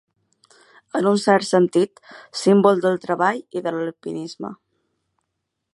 En un cert sentit, símbol del treball i de l'alpinisme.